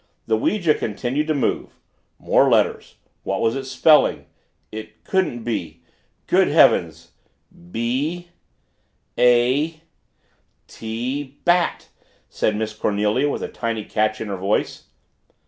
The ouija continued to move more letters what was it spelling? it couldn't be good heavens "B A T Bat!" said Miss Cornelia with a tiny catch in her voice.